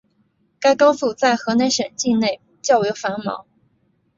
该高速在河南省境内较为繁忙。